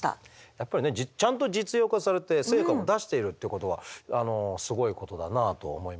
やっぱりねちゃんと実用化されて成果を出しているっていうことはすごいことだなあと思います。